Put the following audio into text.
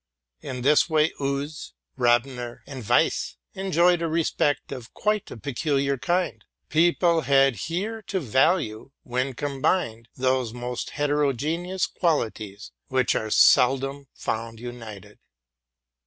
In this way Uz, Rabener, and : 9 10 TRUTH AND FICTION Weisse enjoyed a respect of quite a peculiar kind: people had here to value, when combined, those most heterogeneous qualities which are seldom found united.